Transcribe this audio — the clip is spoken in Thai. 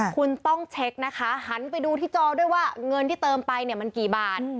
คุณต้องเช็คนะคะหันไปดูที่จอด้วยว่าเงินที่เติมไปเนี่ยมันกี่บาท